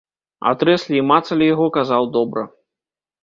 А трэслі і мацалі яго, казаў, добра.